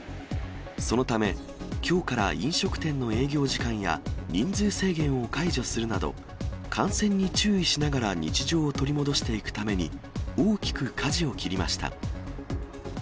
そのため、きょうから飲食店の営業時間や人数制限を解除するなど、感染に注意しながら日常を取り戻していくために、大きくかじを切りました。